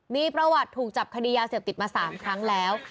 มีประวัติถูกจับคดียาเสพติดมา๓ครั้งแล้ว